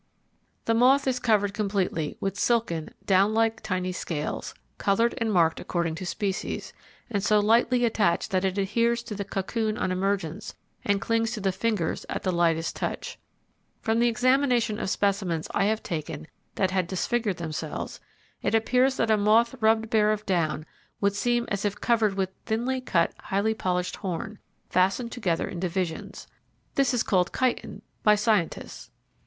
The moth is covered completely with silken down like tiny scales, coloured and marked according to species, and so lightly attached that it adheres to the cocoon on emergence and clings to the fingers at the lightest touch. From the examination of specimens I have taken that had disfigured themselves, it appears that a moth rubbed bare of down would seem as if covered with thinly cut, highly polished horn, fastened together in divisions. This is called 'chitine' by scientists.